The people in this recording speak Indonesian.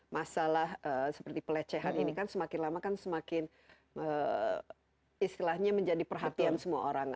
masalah seperti pelecehan ini kan semakin lama kan semakin istilahnya menjadi perhatian semua orang